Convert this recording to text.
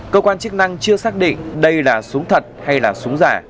cơ quan chức năng chưa xác định đây là súng thật hay là súng giả